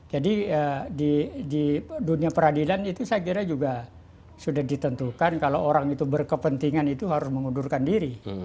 jadi di dunia peradilan itu saya kira juga sudah ditentukan kalau orang itu berkepentingan itu harus mengundurkan diri